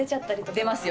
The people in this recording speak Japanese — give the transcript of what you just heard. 出ますよ。